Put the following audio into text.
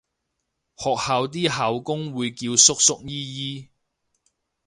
學校啲校工會叫叔叔姨姨